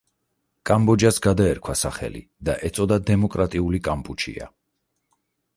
კამბოჯას გადაერქვა სახელი და ეწოდა „დემოკრატიული კამპუჩია“.